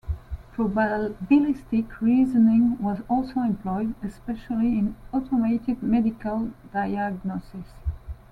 Probabilistic reasoning was also employed, especially in automated medical diagnosis.